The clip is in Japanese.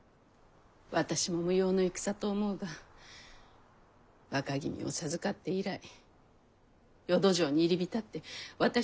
私も無用の戦と思うが若君を授かって以来淀城に入り浸って私の言うことには耳を貸しませぬ。